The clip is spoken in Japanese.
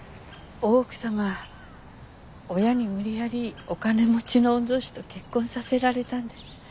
大奥さま親に無理やりお金持ちの御曹司と結婚させられたんです。